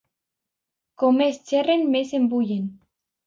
Com més xerren més s'embullen!